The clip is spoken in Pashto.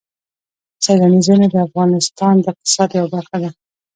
سیلاني ځایونه د افغانستان د اقتصاد یوه برخه ده.